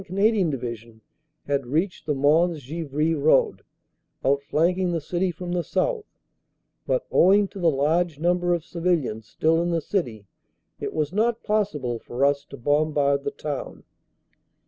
Canadian Division had reached the Mons Givry Road, outflanking the city from the south, but owing to 26 386 CANADA S HUNDRED DAYS the large number of civilians still in the city, it was not pos sible for us to bombard the town.